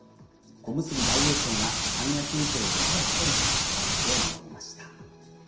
小結・大栄翔が三役以上でただ一人、勝ちっ放しを守りました。